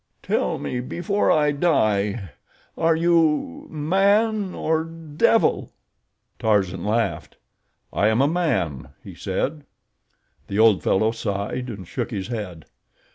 Tell me before I die—are you man or devil?" Tarzan laughed. "I am a man," he said. The old fellow sighed and shook his head.